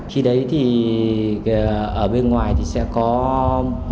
khi đấy thì ở bên ngoài thì sẽ có